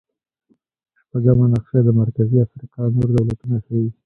شپږمه نقشه د مرکزي افریقا نور دولتونه ښيي.